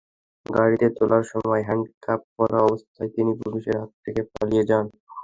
গাড়িতে তোলার সময় হ্যান্ডকাপ পরা অবস্থায় তিনি পুলিশের হাত থেকে পালিয়ে যান।